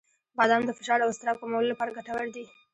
• بادام د فشار او اضطراب کمولو لپاره ګټور دي.